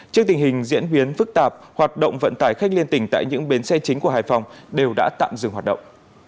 trước tình hình diễn biến phức tạp hoạt động vận tải khách liên tỉnh tại những bến xe chính của hải phòng đều đã tạm dừng hoạt động